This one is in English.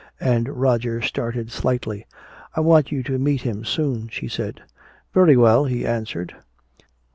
And Roger started slightly. "I want you to meet him soon," she said. "Very well," he answered.